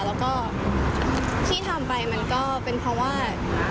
แล้วก็ที่ทำไปมันก็เป็นเพราะว่า